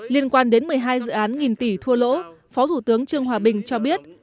liên quan đến một mươi hai dự án nghìn tỷ thua lỗ phó thủ tướng trương hòa bình cho biết